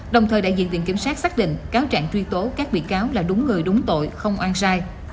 đồng thời đại diện viện kiểm sát xác định cáo trạng truy tố các bị cáo là đúng người đúng tội không oan sai